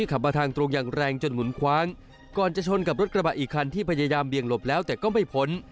ขับมาทางตรงอย่างแรงจนหมุนคว้างก่อนจะชนกับรถกระบะอีกคันที่พยายามเบี่ยงหลบแล้วแต่ก็ไม่พ้น